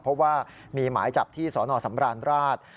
เพราะว่ามีหมายจับที่สนสำราญราช